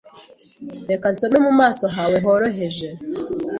Reka nsome mu maso hawe horoheje